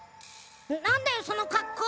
なんだよそのかっこう。